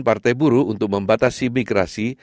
partai buruh untuk membatasi migrasi